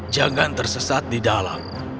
jangan tersesat di dalam